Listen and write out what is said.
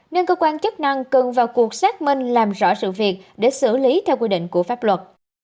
nên cơ quan chức năng cần vào cuộc xác minh làm rõ sự việc để xử lý theo quy định của pháp luật